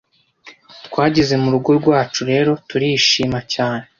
twageze mu rugo rwacu rero turishima cyane,